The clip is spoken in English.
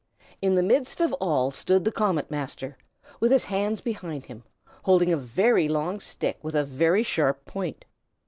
In the midst of all stood the Comet Master, with his hands behind him, holding a very long stick with a very sharp point.